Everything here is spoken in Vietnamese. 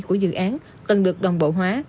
của dự án cần được đồng bộ hóa